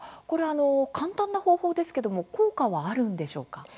簡単な方法ですけども効果はあるんでしょうか？